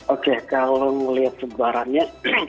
oke kalau melihat sebarannya